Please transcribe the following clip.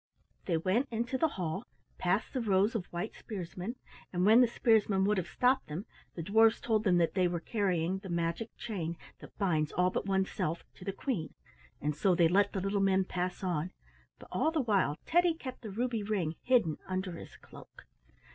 They went into the hall, past the rows of white spearsmen, and when the spearsmen would have stopped them the dwarfs told them that they were carrying the magic chain that binds all but one's self to the Queen, and so they let the little men pass on, but all the while Teddy kept the ruby ring hidden under his cloak.